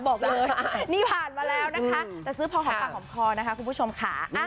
บอกเลยนี่ผ่านมาแล้วนะคะแต่ซื้อพอหอมปากหอมคอนะคะคุณผู้ชมค่ะ